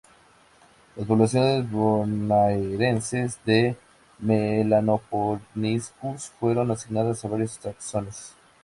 Las poblaciones bonaerenses de "Melanophryniscus" fueron asignadas a varios taxones.